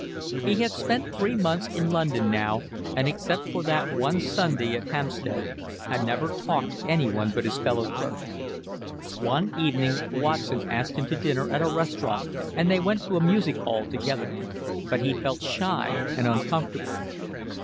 He had spent three months in London now, and except for that one Sunday at Hampstead had never talked to anyone but his fellow clerks. One evening Watson asked him to dinner at a restaurant and they went to a music hall together; but he felt shy and uncomfortable.